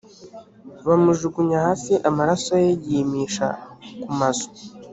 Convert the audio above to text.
bamujugunya hasi amaraso ye yimisha ku mazu